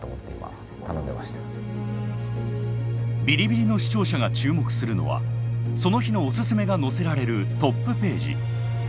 ビリビリの視聴者が注目するのはその日のおすすめが載せられるトップページ。